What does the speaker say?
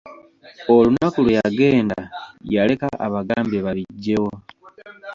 Olunaku lwe yagenda yaleka abagambye babiggyewo.